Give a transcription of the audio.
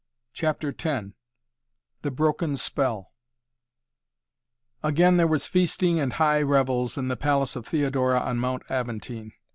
CHAPTER X THE BROKEN SPELL Again there was feasting and high revels in the palace of Theodora on Mount Aventine.